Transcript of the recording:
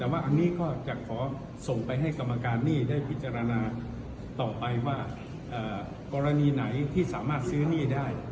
พิจารณาต่อไปว่ากรณีไหนที่สามารถซื้อหนี้ได้